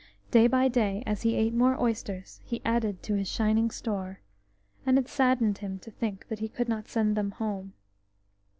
Day by day, as he ate more oysters, he added to his shining store, and it saddened him to think that he could not send them home.